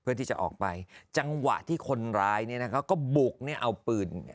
เพื่อที่จะออกไปจังหวะที่คนร้ายเนี่ยนะคะก็บุกเนี่ยเอาปืนเนี่ย